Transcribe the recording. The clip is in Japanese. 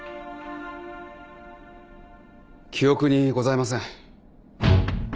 記憶にございません。